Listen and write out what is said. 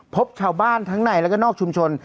พบชาวบ้านทั้งในแล้วก็นอกชุมชน